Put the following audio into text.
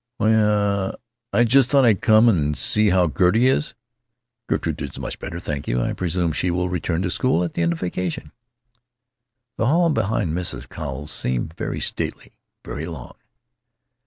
"Why, uh, I just thought I'd come and see how Gertie is." "Gertrude is much better, thank you. I presume she will return to school at the end of vacation." The hall behind Mrs. Cowles seemed very stately, very long.